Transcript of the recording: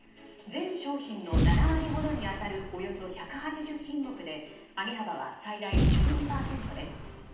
全商品の７割ほどに当たるおよそ１８０品目で上げ幅は、最大１２％です。